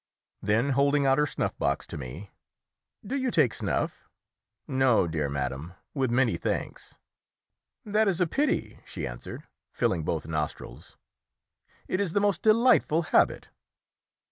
Then, holding out her snuff box to me "Do you take snuff?" "No, dear madam, with many thanks." "That is a pity," she answered, filling both nostrils. "It is the most delightful habit."